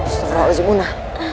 sudah berapa sebulan